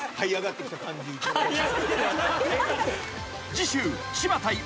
［次週］